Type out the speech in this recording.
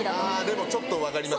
でもちょっと分かります。